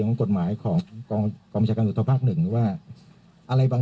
ลองไปฟังจากปากรองผู้ประชาการตำรวจภูทรภาคหนึ่งท่านตอบอย่างไรครับ